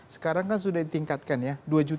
sekarang kan sudah ditingkatkan ya dua lima ratus